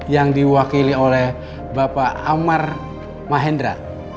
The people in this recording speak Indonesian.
yang diwakili oleh bapak amar mahendra